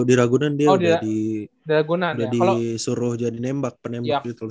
di ragunan dia udah disuruh jadi nembak penembak gitu loh